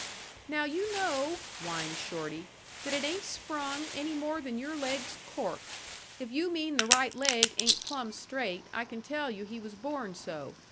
"Now you know," whined Shorty, "that it ain't sprung any more than your leg's cork. If you mean the right leg ain't plumb straight, I can tell you he was born so.